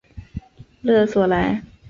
勒索莱。